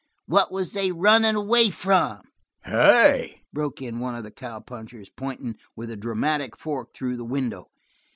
What was they runnin' away from?" "Hey!" broke in one of the cowpunchers, pointing with a dramatic fork through the window.